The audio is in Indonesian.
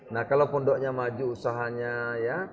nah kalau pondoknya maju usahanya ya